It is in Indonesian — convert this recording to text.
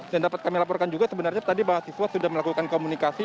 dan dapat kami laporkan juga sebenarnya tadi mahasiswa sudah melakukan komunikasi